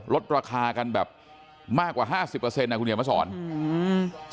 ลดราคากันแบบมากกว่าห้าสิบเปอร์เซ็นอ่ะคุณเขียนมาสอนอืม